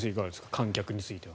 観客については。